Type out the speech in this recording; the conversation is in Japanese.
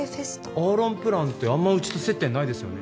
アーロンプランってあんまうちと接点ないですよね